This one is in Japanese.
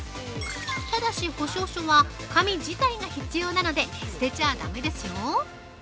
ただし、保証書は、紙自体が必要なので捨ててちゃだめですよ。